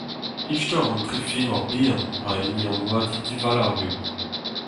Istor an tri femoc'h bihan ha hini an houadig divalav eo.